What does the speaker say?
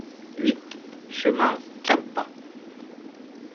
huit chemin Capbat